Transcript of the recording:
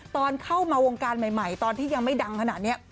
ตอนเข้ามาวงการใหม่ตอนที่ยังไม่ดังขนาดนี้